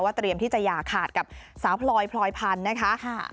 เตรียมที่จะอย่าขาดกับสาวพลอยพลอยพันธุ์นะคะ